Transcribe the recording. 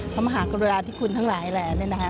พระมหากรุณาธิคุณทั้งหลายแหล่